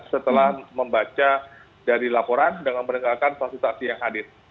setelah membaca dari laporan dengan menenggakkan fasilitasi yang hadir